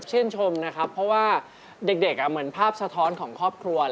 ชื่นชมนะครับเพราะว่าเด็กเหมือนภาพสะท้อนของครอบครัว